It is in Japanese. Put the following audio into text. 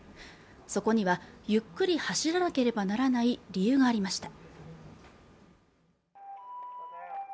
そこにはゆっくり走らなければならない理由がありました